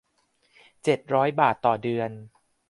เจ็ดร้อย บาทต่อเดือน